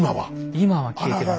今は消えてます。